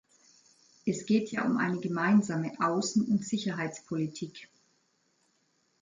Es geht ja um eine Gemeinsame Außen- und Sicherheitspolitik.